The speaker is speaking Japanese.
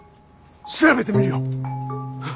調べてみるよ。